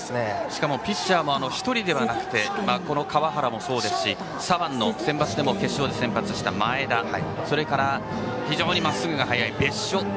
しかもピッチャーは１人ではなくて川原もそうですし左腕、センバツでも登板した前田、それから非常にまっすぐが速い別所。